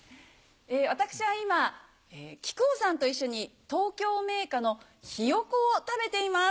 私は今木久扇さんと一緒に東京銘菓のひよ子を食べています。